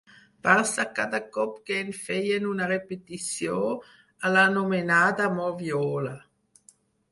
Barça cada cop que en feien una repetició, a l'anomenada Moviola.